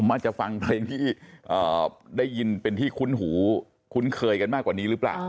อาจจะฟังเพลงที่ได้ยินเป็นที่คุ้นหูคุ้นเคยกันมากกว่านี้หรือเปล่า